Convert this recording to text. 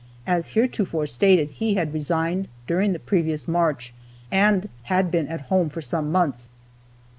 As heretofore stated, he had resigned during the previous March and had been at home for some months.